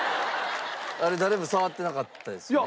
あれ誰も触ってなかったですよね。